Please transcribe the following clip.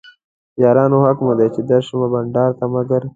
یارانو حق مو دی چې درشمه بنډار ته مګر